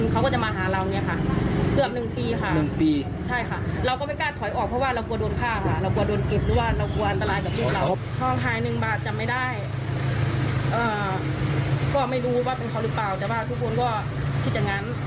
ก็ไม่รู้ว่าเป็นเขาหรือเปล่าแต่ว่าทุกคนก็คิดอย่างนั้น